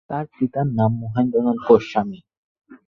তার পিতার নাম মহেন্দ্রনাথ গোস্বামী।